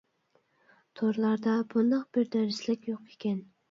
تورلاردا بۇنداق بىر دەرسلىك يوق ئىكەن.